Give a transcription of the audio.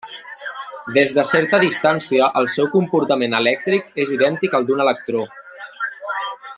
Des de certa distància el seu comportament elèctric és idèntic al d'un electró.